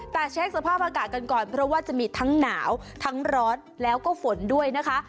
แต่เช็คสภาพอากาศกันก่อนเพราะว่าจะมีทั้งหนาวทั้งร้อนแล้วก็ฝนด้วยนะคะ